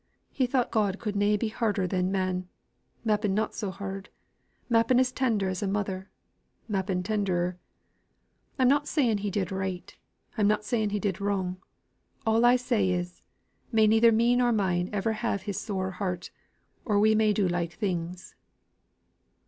He thought God could na be harder than men; mappen not so hard; mappen as tender as a mother; mappen tenderer. I'm not saying he did right, and I'm not saying he did wrong. All I say is, may neither me nor mine ever have his sore heart, or we may do like things."